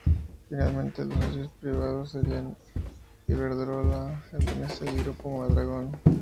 Finalmente los socios privados serían Iberdrola, Endesa y Grupo Mondragón.